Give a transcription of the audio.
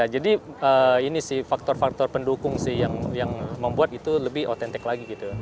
jadi ini sih faktor faktor pendukung sih yang membuat itu lebih authentic lagi gitu